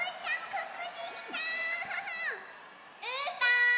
・うーたん！